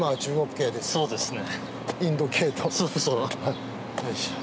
そうですね。